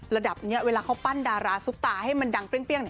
ระดับนี้เวลาเขาปั้นดาราซุปตาให้มันดังเปรี้ยงเนี่ย